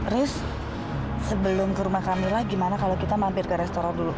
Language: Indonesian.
riz sebelum ke rumah kamilah gimana kalau kita mampir ke restoran dulu